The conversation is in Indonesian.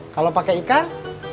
kalau pake ikan